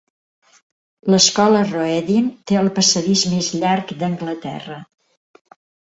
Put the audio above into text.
L'escola Roedean té el passadís més llarg d'Anglaterra.